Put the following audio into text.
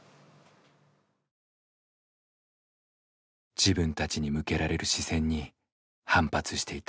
自分たちに向けられる視線に反発していた。